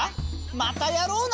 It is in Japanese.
またやろうな！